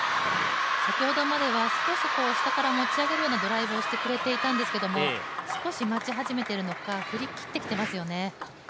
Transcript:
先ほどまでは少し下から持ち上げるようなドライブをしてくれていたんですけれども、少し待ち始めているのか、振り切ってきていますよね。